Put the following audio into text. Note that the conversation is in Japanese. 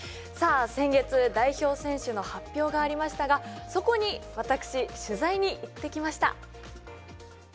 さあ先月代表選手の発表がありましたがそこに私取材に行ってきました。